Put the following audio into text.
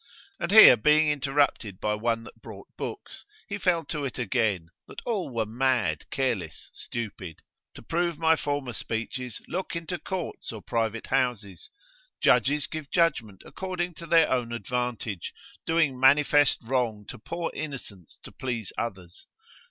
And here being interrupted by one that brought books, he fell to it again, that all were mad, careless, stupid. To prove my former speeches, look into courts, or private houses. Judges give judgment according to their own advantage, doing manifest wrong to poor innocents to please others.